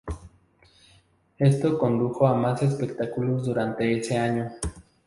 Esto condujo a más espectáculos durante ese año.